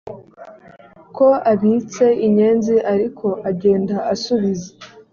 ko abitse inyenzi ariko agenda asubiza